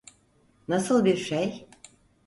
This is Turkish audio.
Nasıl bir şey?